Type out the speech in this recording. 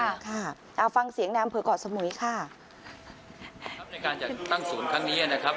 ค่ะค่ะเอาฟังเสียงนามเผอกรสมุยค่ะครับในการจะตั้งศูนย์ครั้งนี้นะครับ